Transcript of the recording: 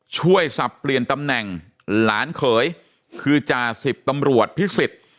สับเปลี่ยนตำแหน่งหลานเขยคือจ่าสิบตำรวจพิสิทธิ์